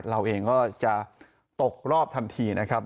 เราเองก็จะตกรอบทันทีนะครับ